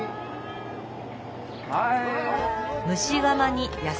はい。